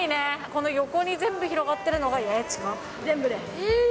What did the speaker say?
この横に全部広がっているのが、全部です。